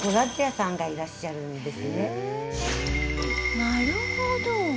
なるほど。